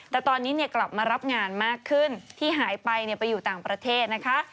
แต่ตอนนี้กลับมารับงานมากขึ้นที่หายไปไปอยู่ต่างประเทศนะคะ